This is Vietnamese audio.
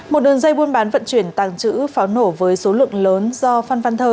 một đường dây buôn bán vận chuyển tàng trữ pháo nổ với số lượng lớn do phan văn thơ